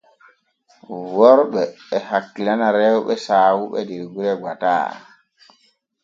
Worɓe e hakkilana rewɓe saawuɓe der gure gbataa.